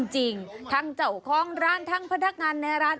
จริงทั้งเจ้าของร้านทั้งพนักงานในร้าน